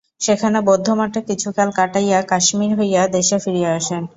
সেখানে বৌদ্ধমঠে কিছুকাল কাটাইয়া কাশ্মীর হইয়া দেশে ফিরিয়া আসেন।